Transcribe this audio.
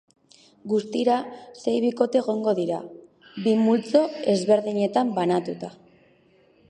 Guztira sei bikote egongo dira, bi multzo ezberdinetan banatuta.